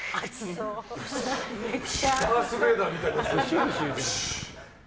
ダースベーダーみたいに。